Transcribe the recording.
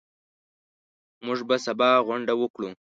موږ به سبا غونډه وکړو.